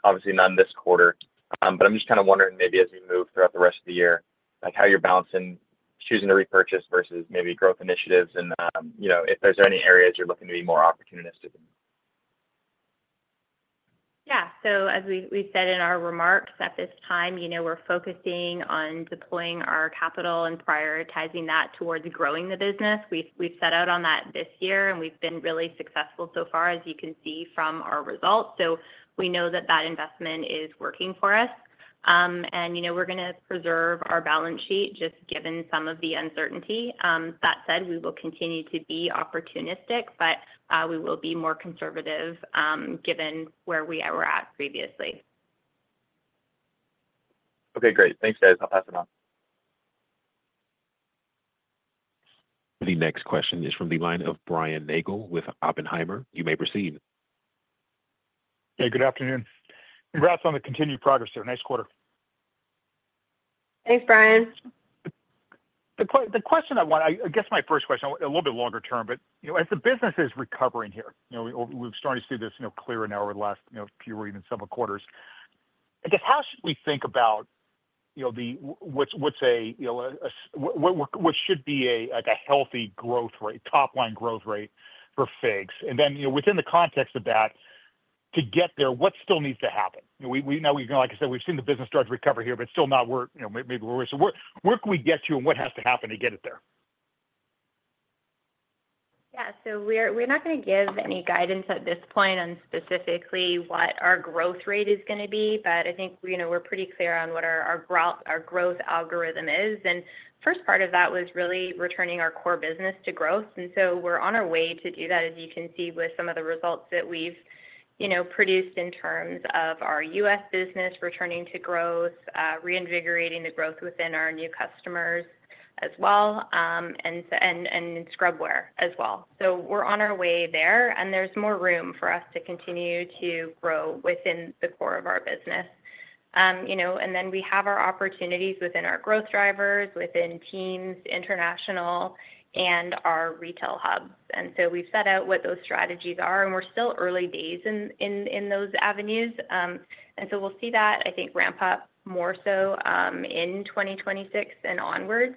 Obviously none this quarter, but I'm just kind of wondering maybe as we move throughout the rest of the year, how you're balancing choosing to repurchase versus maybe growth initiatives, and if there's any areas you're looking to be more opportunistic? Yeah. As we said in our remarks at this time, you know, we're focusing on deploying our capital and prioritizing that towards growing the business. We've set out on that this year and we've been really successful so far as you can see from our results. We know that that investment is working for us and, you know, we're going to preserve our balance sheet just given some of the uncertainty. That said, we will continue to be opportunistic, but we will be more conservative given where we were at previously. Okay, great. Thanks, guys. I'll pass it on. The next question is from the line of Brian Nagel with Oppenheimer. You may proceed. Yeah, good afternoon. Congrats on the continued progress here. Nice quarter. Thanks, Brian. The question I want, I guess my first question a little bit longer term, as the business is recovering here, we've started to see this clear now, last few and several quarters. I guess how should we think about what should be a healthy growth rate, top line growth rate for FIGS, and then within the context of that, to get there, what still needs to happen? Like I said, we've seen the business start to recover here but still not where, you know, maybe. Where can we get you and what has to happen to get it there? Yeah, so we're not going to give any guidance at this point on specifically what our growth rate is going to be, but I think you know, we're pretty clear on what our growth algorithm is. The first part of that was really returning our core business to growth, and we're on our way to do that as you can see with some of the results that we've produced in terms of our U.S. business returning to growth, reinvigorating the growth within our new customers as well and scrubwear as well. We're on our way there, and there's more room for us to continue to grow within the core of our business. Then we have our opportunities within our growth drivers, within TEAMS, international, and our retail hub. We've set out what those strategies are, and we're still early days in those avenues. We'll see that ramp up more so in 2026 and onwards.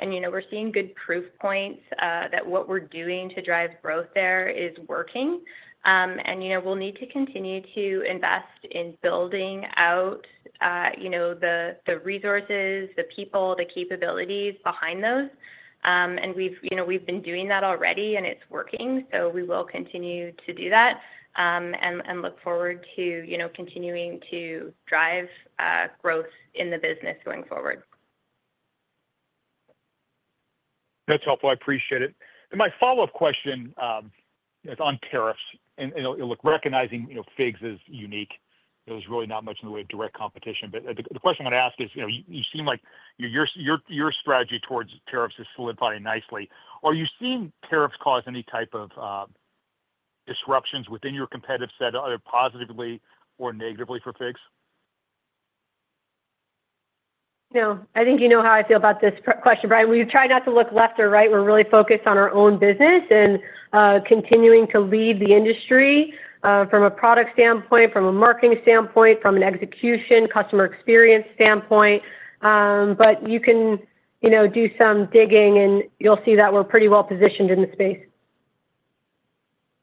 We're seeing good proof points that what we're doing to drive growth there is working, and we'll need to continue to invest in building out the resources, the people, the capabilities behind those. We've been doing that already, and it's working. We will continue to do that and look forward to continuing to drive growth in the business going forward. That's helpful, I appreciate it. My follow up question is on tariffs and, look, recognizing, you know, FIGS is unique. There's really not much in the way of direct competition. The question I'm going to ask is, you know, you seem like your strategy towards tariffs is solidifying nicely. Are you seeing tariffs cause any type of disruptions within your competitive set, either positively or negatively for FIGS? No. I think you know how I feel about this question, Brian. We've tried not to look left or right. We're really focused on our own business and continuing to lead the industry from a product standpoint, from a marketing standpoint, from an execution customer experience standpoint. You can do some digging and you'll see that we're pretty well positioned in the space.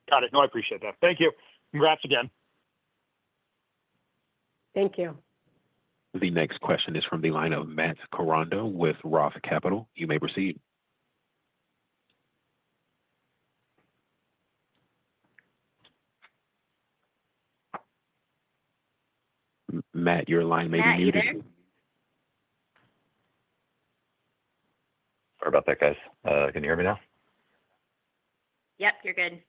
Got it. No, I appreciate that. Thank you. Congrats again. Thank you. The next question is from the line of Matt Koranda with ROTH Capital. You may proceed. Matt, your line may be muted. <crosstalk> Sorry about that, guys. Can you hear me now? Yep, you're good.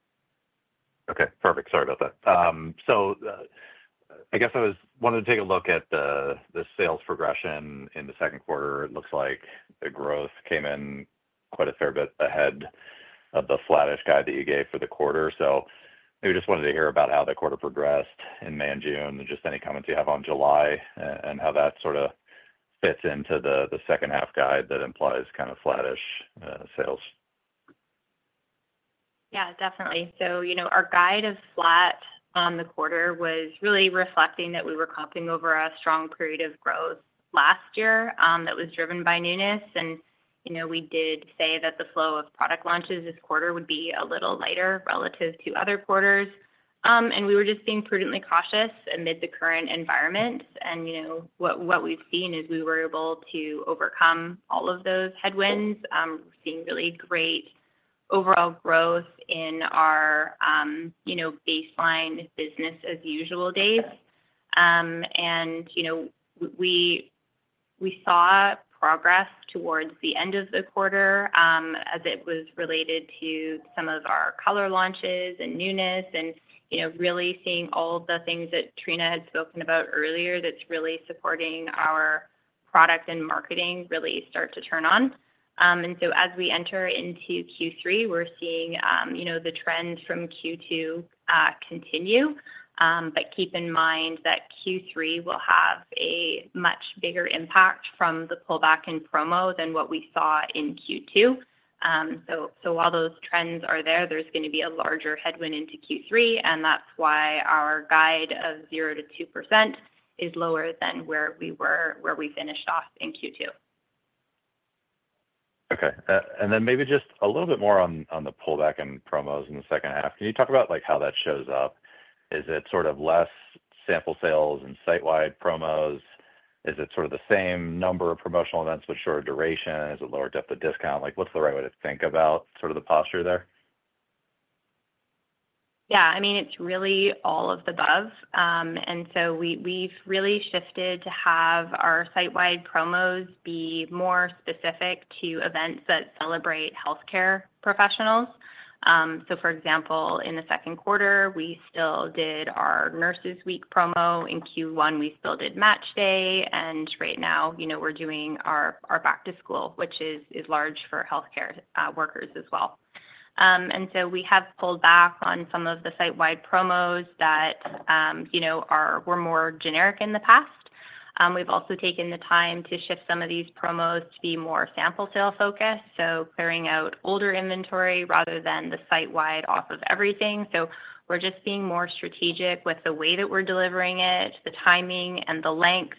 Okay, perfect. Sorry about that. I guess I wanted to take a look at the sales progression in the second quarter. It looks like the growth came in quite a fair bit ahead of the flattish guide that you gave for the quarter. We just wanted to hear about how the quarter progressed in May and June, and any comments you have on July and how that sort of fits into the second half guide that implies kind of flattish sales. Yeah, definitely. Our guide of flat on the quarter was really reflecting that we were comping over a strong period of growth last year that was driven by newness. We did say that the flow of product launches this quarter would be a little lighter relative to other quarters. We were just being prudently cautious amid the current environment. What we've seen is we were able to overcome all of those headwinds, being really great overall growth in our baseline business as usual days. We saw progress towards the end of the quarter as it was related to some of our color launches and newness. Really seeing all the things that Trina had spoken about earlier that's really supporting our product and marketing really start to turn on. As we enter into Q3, we're seeing the trends from Q2 continue, but keep in mind that Q3 will have a much bigger impact from the pullback in promo than what we saw in Q2. While those trends are there, there's going to be a larger headwind into Q3, and that's why our guide of 0 - 2% is lower than where we were where we finished off in Q2. Okay. Maybe just a little bit more on the pullback in promos. In the second half, can you talk about how that shows up? Is it sort of less sample sales and sitewide promos? Is it the same number of promotional events but shorter duration? Is it lower depth of discount? What's the right way to think about the posture there? Yeah, I mean it's really all of the above. We've really shifted to have our sitewide promos be more specific to events that celebrate healthcare professionals. For example, in the second quarter we still did our Nurses Week promo. In Q1, we still did Match Day. Right now, we're doing our back to school, which is large for healthcare workers as well. We have pulled back on some of the sitewide promos that were more generic. In the past, we've also taken the time to shift some of these promos to be more sample sale focused, clearing out older inventory rather than the sitewide off of everything. We're just being more strategic with the way that we're delivering it, the timing, and the length.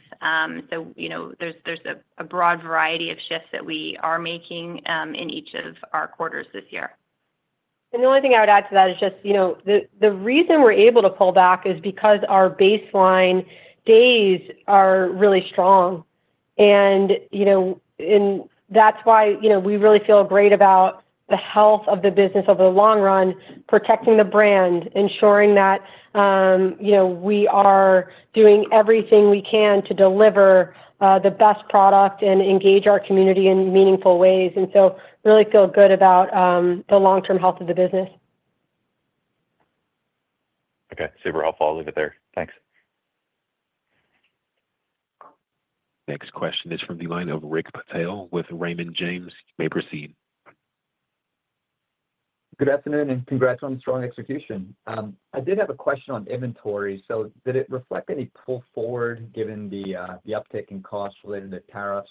There's a broad variety of shifts that we are making in each of our quarters this year. The only thing I would add to that is just, you know, the reason we're able to pull back is because our baseline days are really strong. That's why, you know, we really feel great about the health of the business over the long run. Protecting the brand, ensuring that, you know, we are doing everything we can to deliver the best product and engage our community in meaningful ways, and so really feel good about the long term health of the business. Okay, super helpful. I'll leave it there, thanks. Next question is from the line of Rick Patel with Raymond James. Proceed. Good afternoon and congrats on strong execution. I did have a question on inventory. Did it reflect any pull forward given the uptick in costs related to tariffs?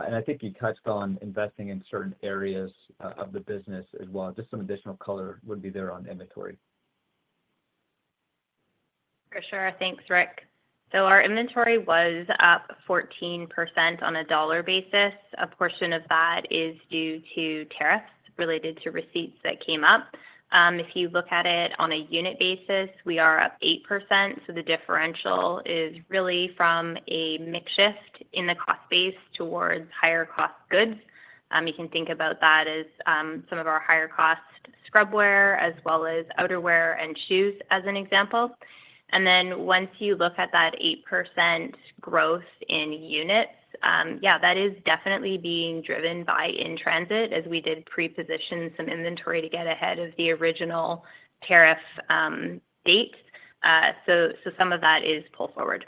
I think you touched on investing in certain areas of the business as well. Just some additional color would be helpful on inventory. For sure. Thanks, Rick. Our inventory was up 14% on a dollar basis. A portion of that is due to tariffs related to receipts that came up. If you look at it on a unit basis, we are up 8%. The differential is really from a mix shift in the cost base towards higher cost goods. You can think about that as some of our higher cost scrubwear as well as outerwear and shoes as an example. Once you look at that 8% growth in units, that is definitely being driven by in transit as we did pre-position some inventory to get ahead of the original tariff date. Some of that is pull forward.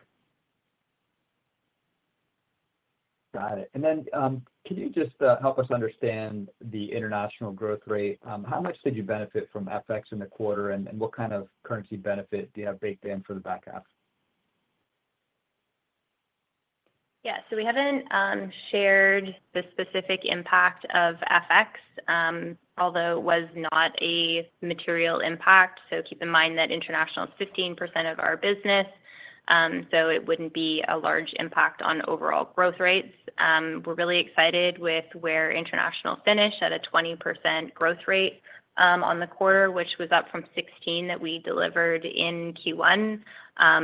Got it. Can you just help us understand the international growth rate? How much did you benefit from FX in the quarter, and what kind of currency benefit do you have baked in for the back half? Yeah, so we haven't shared the specific impact of FX, although it was not a material impact. Keep in mind that International is 15% of our business, so it wouldn't be a large impact on overall growth rates. We're really excited with where International finished at a 20% growth rate on the quarter, which was up from 16% that we delivered in Q1.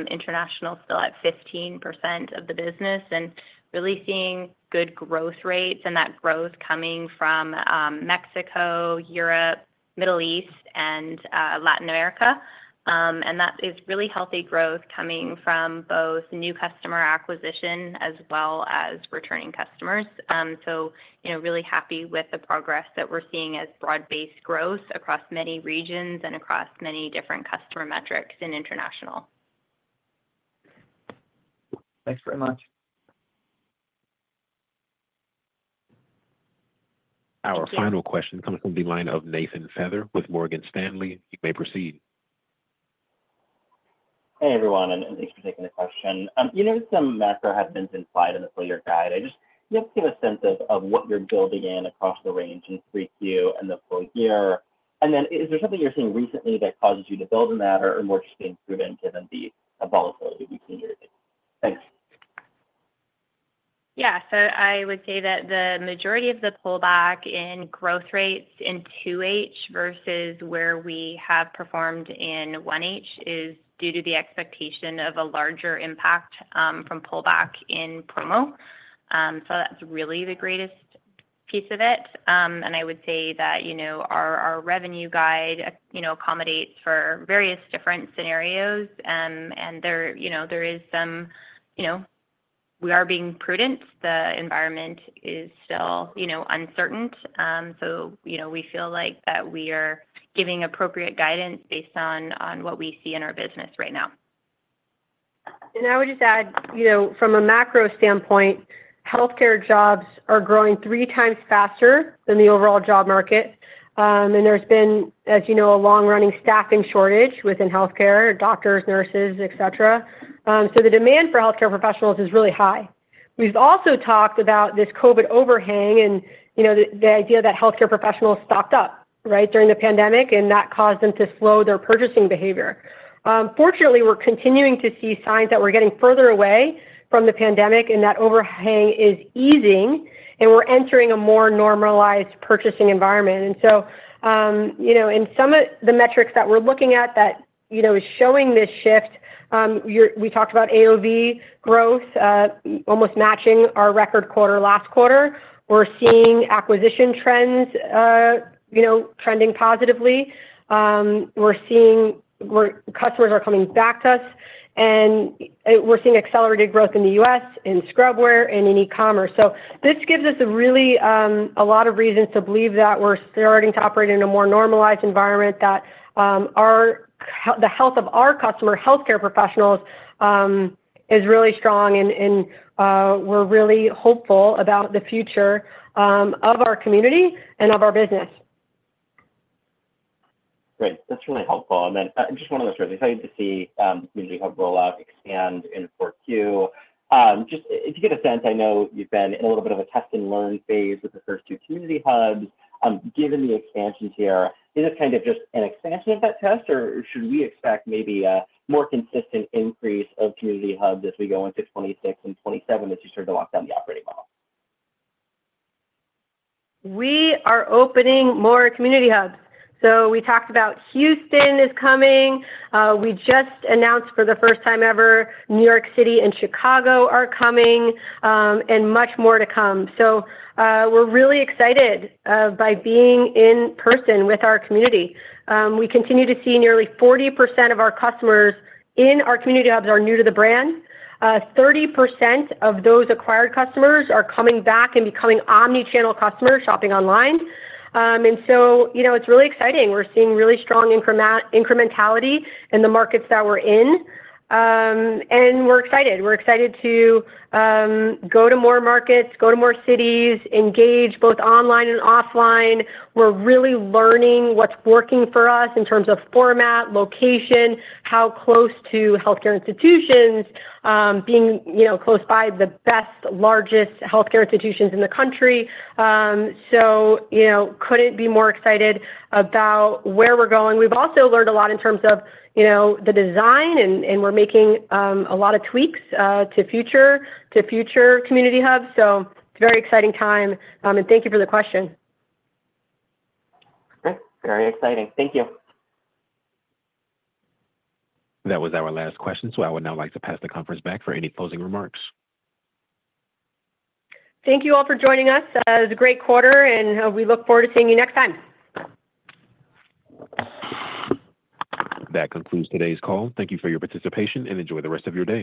International is still at 15% of the business and really seeing good growth rates, and that growth is coming from Mexico, Europe, Middle East, and Latin America. That is really healthy growth coming from both new customer acquisition as well as returning customers. Really happy with the progress that we're seeing as broad-based growth across many regions and across many different customer metrics in International. Thanks very much. Our final question comes from the line of Nathan Feather with Morgan Stanley. You may proceed. Hey everyone and thanks for taking the question. You noticed some macro has been implied in the full year guide. Just give a sense of what you're building in across the range in 3Q and the full year. Is there something you're seeing recently that causes you to build a matter or more given the volatility between your thanks? Yeah. I would say that the majority of the pullback in growth rates in 2H versus where we have performed in 1H is due to the expectation of a larger impact from pullback in promo. That's really the greatest piece of it. I would say that our revenue guide accommodates for various different scenarios and we are being prudent. The environment is still uncertain, so we feel like we are giving appropriate guidance based on what we see in our business right now. I would just add, you know, from a macro standpoint, healthcare jobs are growing three times faster than the overall job market. There's been, as you know, a long-running staffing shortage within healthcare, doctors, nurses, et cetera. The demand for healthcare professionals is really high. We've also talked about this Covid overhang and, you know, the idea that healthcare professionals stopped up right during the pandemic and that caused them to slow their purchasing behavior. Fortunately, we're continuing to see signs that we're getting further away from the pandemic and that overhang is easing and we're entering a more normalized purchasing environment. In some of the metrics that we're looking at, that, you know, is showing this shift. We talked about AOV growth almost matching our record quarter last quarter. We're seeing acquisition trends trending positively. We're seeing where customers are coming back to us and we're seeing accelerated growth in the U.S. in scrubwear and in e-commerce. This gives us a lot of reasons to believe that we're starting to operate in a more normalized environment, that the health of our customer healthcare professionals is really strong, and we're really hopeful about the future of our community and of our business. Great, that's really helpful and just one of the truths we've had to see community hub rollout expand in 4Q. Just to get a sense, I know you've been in a little bit of a test and learn phase with the first two community hubs, given the expansions here. Is this kind of just an expansion of that test, or should we expect maybe a more consistent increase of community hubs as we go into 2026 and 2027 if you start to lock down the operating model? We are opening more community hubs. We talked about Houston is coming. We just announced for the first time ever, New York City and Chicago are coming and much more to come. We're really excited by being in person with our community. We continue to see nearly 40% of our customers in our community hubs are new to the brand. 30% of those acquired customers are coming back and becoming omnichannel customers shopping online. It's really exciting. We're seeing really strong incrementality in the markets that we're in. We're excited to go to more markets, go to more cities, engage both online and offline. We're really learning what's working for us in terms of format, location, how close to healthcare institutions, being close by the best, largest healthcare institutions in the country. Couldn't be more excited about where we're going. We've also learned a lot in terms of the design and we're making a lot of tweaks to future community hubs. It's a very exciting time. Thank you for the question. That's very exciting. Thank you. That was our last question. I would now like to pass the conference back for any closing remarks. Thank you all for joining us. It was a great quarter, and we look forward to seeing you next time. That concludes today's call. Thank you for your participation and enjoy the rest of your day.